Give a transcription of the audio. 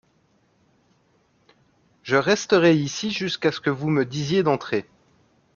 Je resterai ici jusqu’à ce que vous me disiez d’entrer.